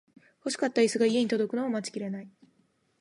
欲しかったイスが家に届くのを待ちきれない